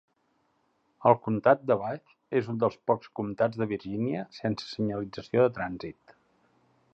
El comtat de Bath és un dels pocs comtats de Virgínia sense senyalització de trànsit.